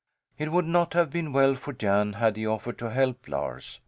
It would not have been well for Jan had he offered to help Lars.